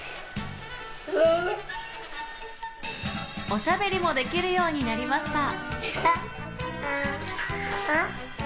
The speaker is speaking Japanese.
おしゃべりもできるようになりました。